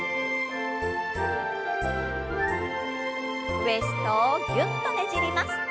ウエストをぎゅっとねじります。